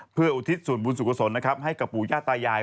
เพื่ออุทิศภูมิบุญสุขสนให้กับปู่ย่าตายาย